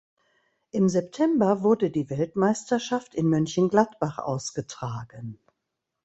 Im September wurde die Weltmeisterschaft in Mönchengladbach ausgetragen.